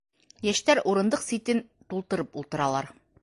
Йәштәр урындыҡ ситен тултырып ултыралар.